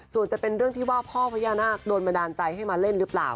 ส่วนจะเป็นเรื่องที่ว่าพ่อพญานาคโดนบันดาลใจให้มาเล่นหรือเปล่า